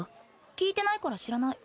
聞いてないから知らない。